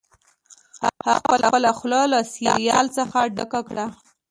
هغه خپله خوله له سیریل څخه ډکه کړه